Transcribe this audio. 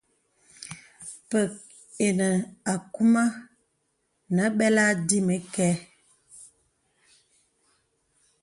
Pə̀k enə akūmà nə bəlà dimi kɛ.